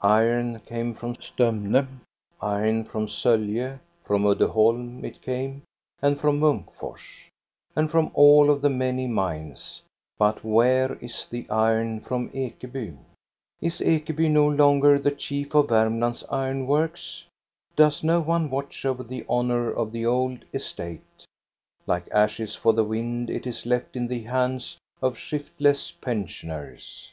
Iron came from Stomne, iron from Solje. From Uddeholm it came, and from Munkfors, and from all of the many mines. But where is the iron from Ekeby? THE IRON FROM EKEBY 281 E Is Ekeby no longer the chief of Varmland's iron works? Does no one watch over the honor of the old estate? Like ashes for the wind it is left in the hands of shiftless pensioners.